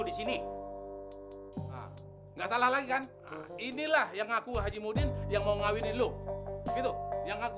di sini enggak salah lagi kan inilah yang ngaku haji mudin yang mau ngawinin lo gitu yang aku